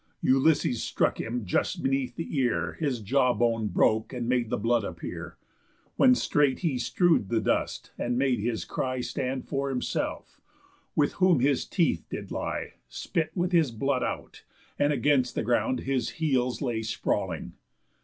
Ulysses struck him just beneath the ear, His jawbone broke, and made the blood appear; When straight he strew'd the dust, and made his cry Stand for himself; with whom his teeth did lie, Spit with his blood out; and against the ground His heels lay sprawling.